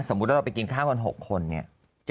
สมมุติว่าเราไปกินข้าวกัน๖คนเนี่ย